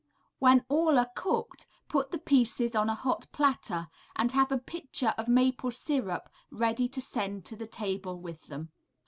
When all are cooked put the pieces on a hot platter, and have a pitcher of maple syrup ready to send to the table with them.